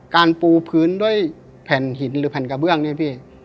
การปูพื้นด้วยแผ่นหินหรือแผ่นกระเบื้องเนี่ยพี่